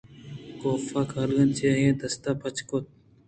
کاف ءَکاگد چہ آئی ءِ دست ءَ پچ گپت